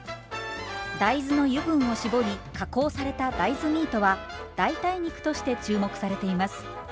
大豆の油分を搾り加工された大豆ミートは代替肉として注目されています。